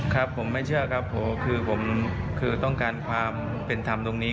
ครับผมไม่เชื่อครับผมคือผมคือต้องการความเป็นธรรมตรงนี้